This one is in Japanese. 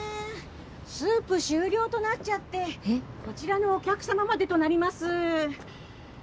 スープ終了となっちゃってこちらのお客様までとなります。